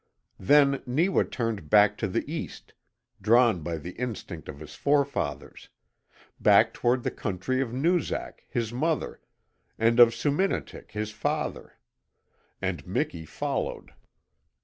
Then Neewa turned back to the east, drawn by the instinct of his forefathers; back toward the country of Noozak, his mother, and of Soominitik, his father; and Miki followed.